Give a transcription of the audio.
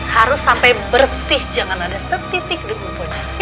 harus sampai bersih jangan ada setitik di kumpulnya